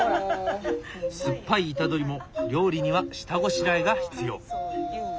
酸っぱいイタドリも料理には下ごしらえが必要。